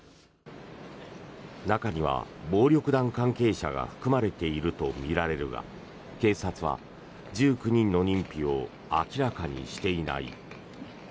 中には、暴力団関係者が含まれているとみられるが警察は１９人の認否を明らかにしていない。